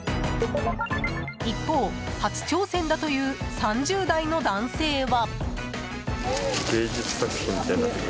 一方、初挑戦だという３０代の男性は。